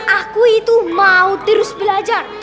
aku itu mau terus belajar